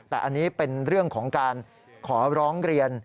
แต่อันนี้เป็นเรื่องของการขอร้องเรียน